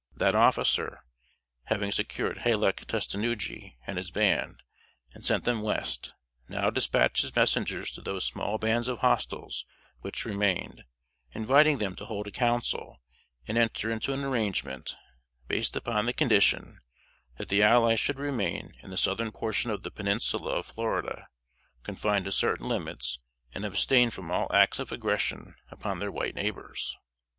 That officer, having secured Halec Tustenuggee and his band, and sent them West, now dispatched his messengers to those small bands of hostiles which remained, inviting them to hold a council and enter into an arrangement, based upon the condition, that the allies should remain in the southern portion of the Peninsula of Florida, confined to certain limits, and abstain from all acts of aggression upon their white neighbors.